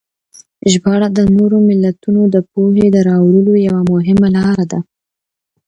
ژباړه د نورو ملتونو د پوهې د راوړلو یوه مهمه لاره ده.